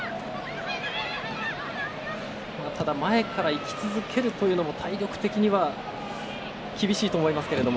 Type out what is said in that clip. ただ、前から行き続けるというのも体力的には厳しいと思いますが。